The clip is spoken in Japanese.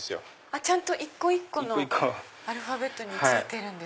ちゃんと一個一個のアルファベットについてる。